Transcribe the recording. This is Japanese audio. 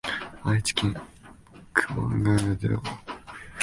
愛媛県久万高原町